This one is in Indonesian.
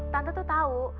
tante tuh tau